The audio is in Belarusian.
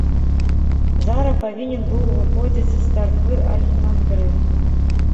Зара павінен быў выходзіць з царквы архімандрыт.